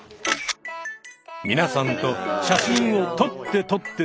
皆さんと写真を撮って撮って撮りまくる